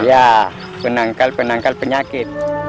ya penangkal penangkal penyakit